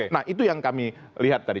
nah itu yang kami lihat tadi